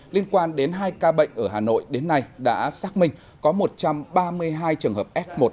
liên quan đến hai ca bệnh ở hà nội đến nay đã xác minh có một trăm ba mươi hai trường hợp f một